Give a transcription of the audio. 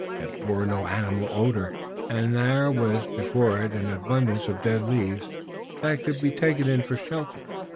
It bore no animal odor, and there was before it an abundance of dead leaves that could be taken in for shelter.